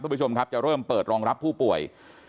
คุณผู้ชมครับจะเริ่มเปิดรองรับผู้ป่วย